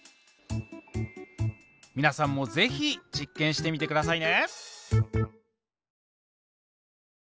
皆さんもぜひ実験してみてくださいね。